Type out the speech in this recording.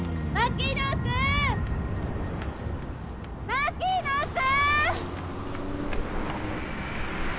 牧野君！